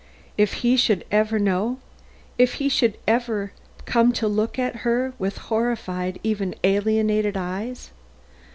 If he should ever know! If he should ever come to look at her with horrified, even alienated eyes!